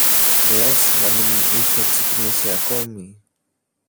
Λες να μην είχε ξυπνήσει ακόμη